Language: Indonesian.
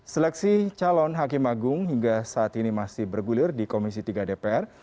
seleksi calon hakim agung hingga saat ini masih bergulir di komisi tiga dpr